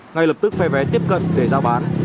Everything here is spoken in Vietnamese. ngay lập tức phe vé tiếp cận để giao bán